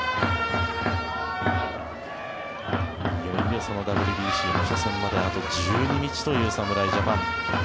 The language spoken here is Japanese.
いよいよＷＢＣの初戦まであと１２日という侍ジャパン。